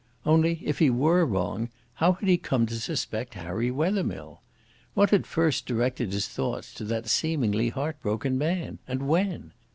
Only, if he were wrong, how had he come to suspect Harry Wethermill? What had first directed his thoughts to that seemingly heart broken man? And when?